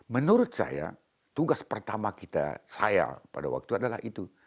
menurut saya tugas pertama kita saya pada waktu adalah itu